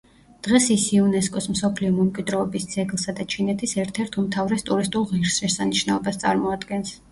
დღეს ის იუნესკოს მსოფლიო მემკვიდრეობის ძეგლსა და ჩინეთის ერთ-ერთ უმთავრეს ტურისტულ ღირსშესანიშნაობას წარმოადგენს.